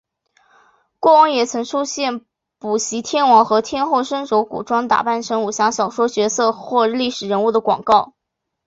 过往也曾出现补习天王和天后身穿古装打扮成武侠小说角色或历史人物的广告。